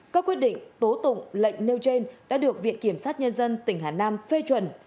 các quyết định tố tụng lệnh nêu trên đã được viện kiểm sát nhân dân tỉnh hà nam phê chuẩn